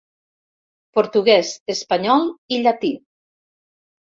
Portuguès, espanyol i llatí.